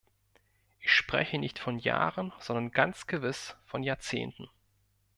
Ich spreche nicht von Jahren, sondern ganz gewiss von Jahrzehnten.